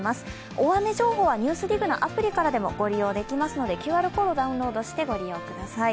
大雨情報は「ＮＥＷＳＤＩＧ」のアプリからもご利用できますのでＱＲコードでダウンロードしてご利用ください。